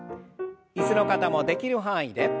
椅子の方もできる範囲で。